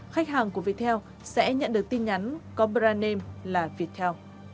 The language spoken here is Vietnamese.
khách hàng của viettel sẽ nhận được tin nhắn có brand name là viettel